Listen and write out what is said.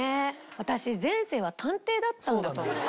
私前世は探偵だったんだと思う。